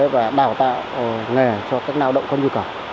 và đào tạo nghề cho các lao động có nhu cầu